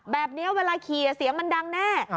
แบบนี้เวลาขี่เสียงมันดังแน่